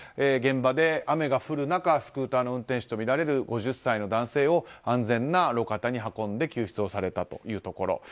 現場で、雨が降る中スクーターの運転手とみられる５０歳の男性を安全な路肩に運んで救出をされたというところ。